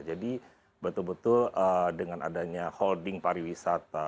jadi betul betul dengan adanya holding pariwisata